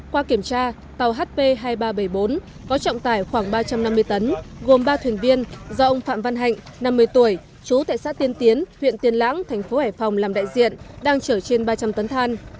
qua kiểm tra tàu hp hai nghìn ba trăm bảy mươi bốn có trọng tải khoảng ba trăm năm mươi tấn gồm ba thuyền viên do ông phạm văn hạnh năm mươi tuổi chú tại xã tiên tiến huyện tiên lãng thành phố hải phòng làm đại diện đang chở trên ba trăm linh tấn than